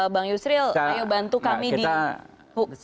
bang yusril ayo bantu kami di hoax